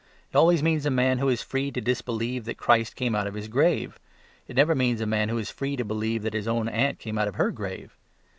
It always means a man who is free to disbelieve that Christ came out of His grave; it never means a man who is free to believe that his own aunt came out of her grave.